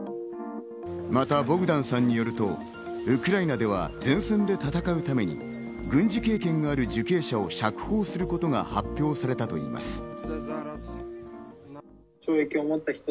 またボグダンさんによると、ウクライナでは前線で戦うために、軍事経験がある受刑者を釈放することが発表されたといいます。